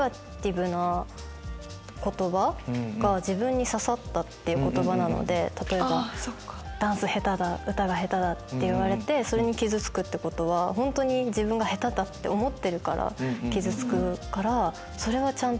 でも何かそうやって。っていう言葉なので例えばダンス下手だ歌が下手だって言われてそれに傷つくってことはホントに自分が下手だって思ってるから傷つくから。